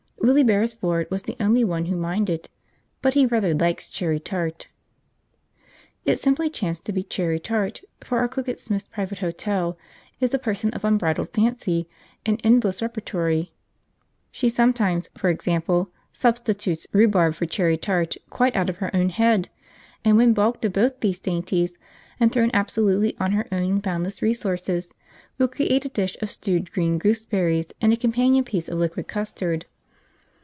Willie Beresford was the only one who minded, but he rather likes cherry tart. It simply chanced to be cherry tart, for our cook at Smith's Private Hotel is a person of unbridled fancy and endless repertory. She sometimes, for example, substitutes rhubarb for cherry tart quite out of her own head; and when balked of both these dainties, and thrown absolutely on her own boundless resources, will create a dish of stewed green gooseberries and a companion piece of liquid custard.